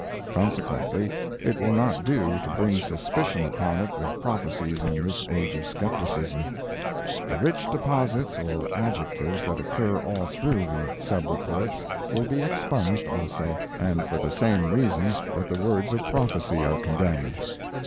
Consequently it will not do to bring suspicion upon it with prophecies in this age of skepticism. The rich deposits or adjectives that occur all through the sub reports will be expunged also, and for the same reason that the words of prophecy are condemned.